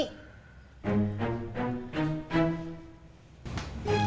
ngga ada ma